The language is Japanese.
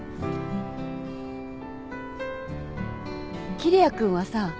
桐矢君はさ